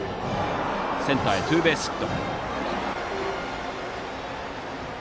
センターへ、ツーベースヒット。